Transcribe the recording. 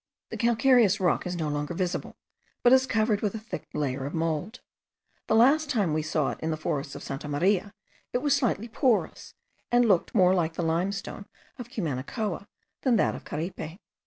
The calcareous rock is no longer visible, but is covered with a thick layer of mould. The last time we saw it in the forest of Santa Maria it was slightly porous, and looked more like the limestone of Cumanacoa than that of Caripe.